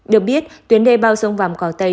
được biết tuyến đê bao sông vàm cỏ tây